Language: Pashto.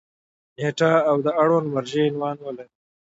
نیټه او د اړونده مرجع عنوان ولري.